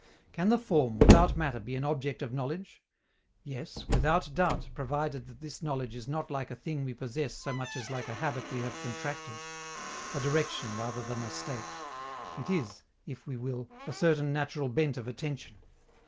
Can the form, without matter, be an object of knowledge? Yes, without doubt, provided that this knowledge is not like a thing we possess so much as like a habit we have contracted, a direction rather than a state: it is, if we will, a certain natural bent of attention.